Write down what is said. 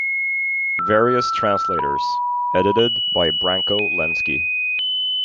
Various translators; edited by Branko Lenski.